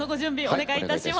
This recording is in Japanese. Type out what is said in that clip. お願いいたします。